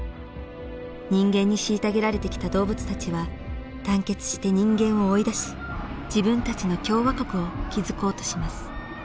人間に虐げられてきた動物たちは団結して人間を追い出し自分たちの共和国を築こうとします。